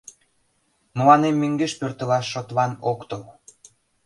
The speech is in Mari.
Мыланем мӧҥгеш пӧртылаш шотлан ок тол.